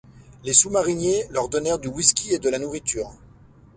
Les sous-mariners leur donnèrent du whisky et de la nourriture.